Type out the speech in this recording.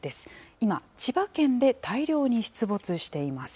今、千葉県で大量に出没しています。